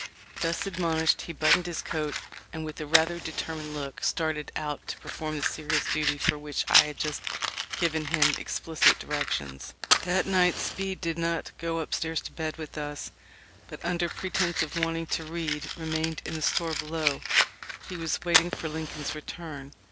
Thus admonished, he buttoned his coat, and with a rather determined look started out to perform the serious duty for which I had just given him explicit direc tions." THE LIFE OF LINCOLN. 213 That night Speed did not go upstairs to bed with us, but under pretense of wanting to read, remained in the store below. He was waiting for Lincoln's return.